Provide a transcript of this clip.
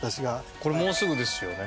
これもうすぐですよね？